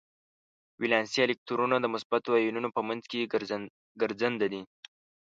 ولانسي الکترونونه د مثبتو ایونونو په منځ کې ګرځننده دي.